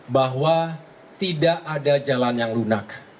bahwa tidak ada jalan yang lunak